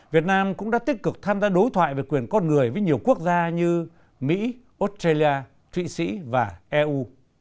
việt nam cũng đã tích cực tham gia đối thoại về quyền con người với nhiều quốc gia như mỹ australia thụy sĩ và eu